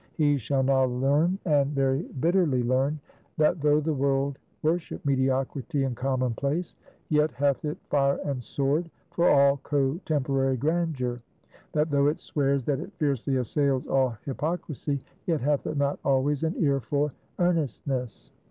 He shall now learn, and very bitterly learn, that though the world worship Mediocrity and Common Place, yet hath it fire and sword for all cotemporary Grandeur; that though it swears that it fiercely assails all Hypocrisy, yet hath it not always an ear for Earnestness.